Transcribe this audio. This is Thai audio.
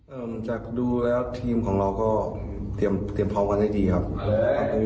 จากดูแล้วทีมของเราก็เตรียมพร้อมกันให้ดีครับ